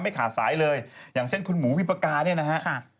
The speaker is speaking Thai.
ไม่ขาดสายเลยอย่างเช่นคุณหมูวิปกาเนี่ยนะฮะ